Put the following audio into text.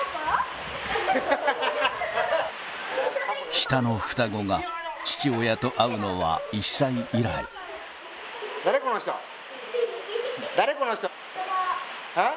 下の双子が父親と会うのは１歳以来ああ？